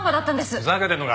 ふざけてんのか？